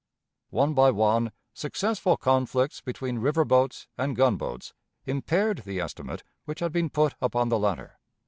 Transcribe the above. One by one successful conflicts between river boats and gunboats impaired the estimate which had been put upon the latter.